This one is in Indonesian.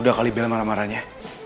udah kali bela marah marahnya